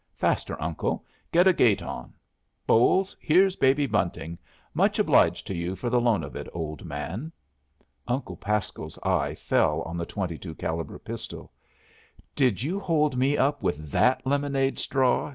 Faster, Uncle. Get a gait on. Bolles, here's Baby Bunting. Much obliged to you for the loan of it, old man." Uncle Pasco's eye fell on the 22 caliber pistol. "Did you hold me up with that lemonade straw?"